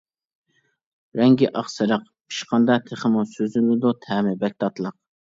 رەڭگى ئاق سېرىق، پىشقاندا تېخىمۇ سۈزۈلىدۇ، تەمى بەك تاتلىق.